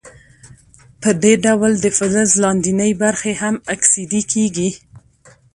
په دې ډول د فلز لاندینۍ برخې هم اکسیدي کیږي.